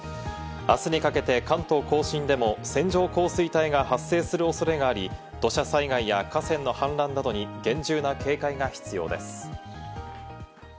明日にかけて関東甲信でも線状降水帯が発生する恐れがあり、土砂災害や河川の氾濫などに厳重な警戒が必要です。